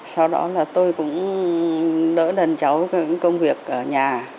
sau đó là tôi cũng đỡ đần cháu công việc ở nhà